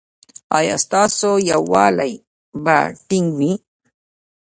ایا ستاسو یووالي به ټینګ وي؟